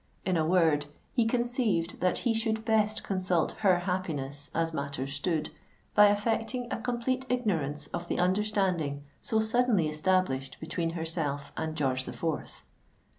In a word, he conceived that he should best consult her happiness, as matters stood, by affecting a complete ignorance of the understanding so suddenly established between herself and George the Fourth.